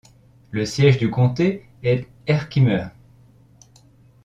Le siège du comté est Herkimer.